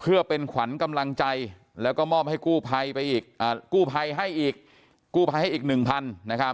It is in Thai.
เพื่อเป็นขวัญกำลังใจแล้วก็มอบให้กู้ไพให้อีก๑๐๐๐บาท